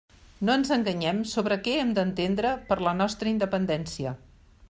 No ens enganyem sobre què hem d'entendre per la nostra independència.